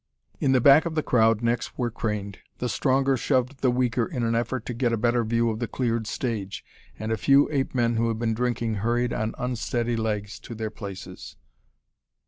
In the back of the crowd necks were craned. The stronger shoved the weaker in an effort to get a better view of the cleared stage, and a few ape men who had been drinking hurried on unsteady legs to their places.